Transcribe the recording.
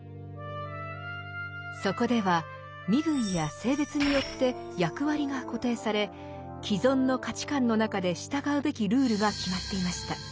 そこでは身分や性別によって役割が固定され既存の価値観の中で従うべきルールが決まっていました。